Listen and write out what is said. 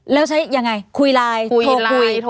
แล้วใช้ยังไงคุยไลน์โทรคุย